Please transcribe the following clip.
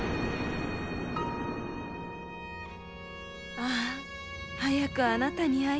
「ああ早くあなたに会いたい。